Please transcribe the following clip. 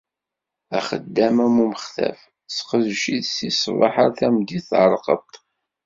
Axeddam am umextaf. Seqdec-it si ṣṣbeḥ ar tmeddit, tɛellqeḍ-t.